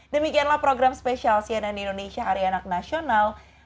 demikianlah program spesial cnn indonesia hari anak nasional